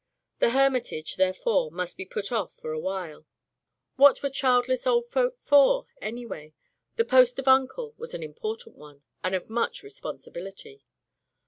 The hermitage, therefore, must be put off for awhile. What were childless old folk for, anyway? The post of uncle was an im portant one, and of much responsibility.